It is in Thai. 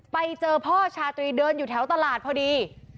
ไปเจอพ่อชาตรีเดินอยู่แถวตลาดพอดี